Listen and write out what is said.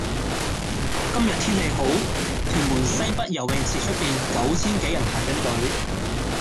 今日天氣好，屯門西北游泳池出面九千幾人排緊隊。